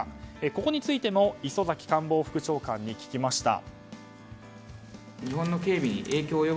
ここについても磯崎官房副長官に聞きました。